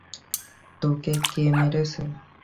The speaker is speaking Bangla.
তোকে কে মেরেছে?